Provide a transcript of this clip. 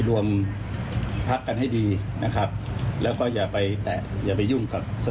ได้รับการติดต่อบ้างหรือยังค่ะอ๋อก็คงจะมาผู้ใหญ่นะ